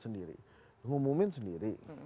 sendiri umumin sendiri